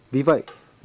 vì vậy lưu lượng